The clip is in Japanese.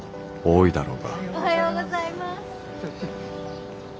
おはようございます。